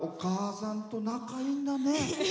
お母さんと仲いいんだね。